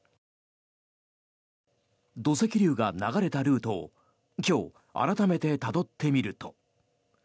土石流が流れたルートを今日、改めてたどってみると。